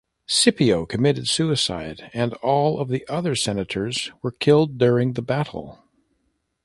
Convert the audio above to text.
Scipio committed suicide and all of the other senators were killed during the battle.